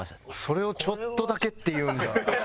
それを「ちょっとだけ」って言うんだ。